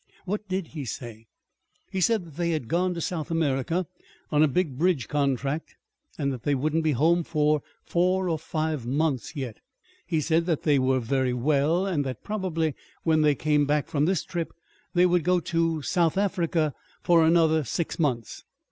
"What did he say?" "He said that they had gone to South America on a big bridge contract, and that they wouldn't be home for four or five months yet. He said that they were very well, and that, probably, when they came back from this trip, they would go to South Africa for another six months.